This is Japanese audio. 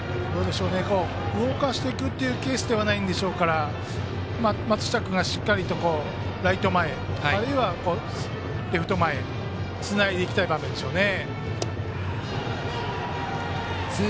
動かしていくっていうケースではないでしょうから松下君がしっかりとライト前あるいはレフト前へつないでいきたい場面でしょうね。